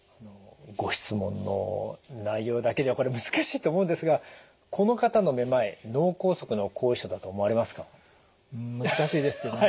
ご質問の内容だけではこれ難しいと思うんですがこの方のめまい脳梗塞の後遺症だと思われますか？